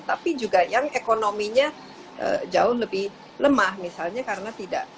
tapi juga yang ekonominya jauh lebih lemah misalnya karena tidak